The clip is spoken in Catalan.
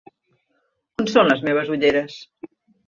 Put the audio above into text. On són les meves ulleres?